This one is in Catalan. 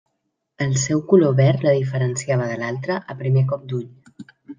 El seu color verd la diferenciava de l'altra a primer cop d'ull.